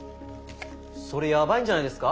それやばいんじゃないですか？